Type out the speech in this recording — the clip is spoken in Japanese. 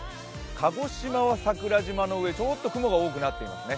鹿児島は桜島の上、ちょっと雲が多くなっていますね。